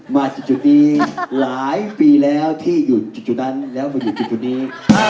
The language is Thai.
มาถึงจุดนี้หลายปีแล้วที่อยู่จุดนั้นแล้วมาอยู่จุดนี้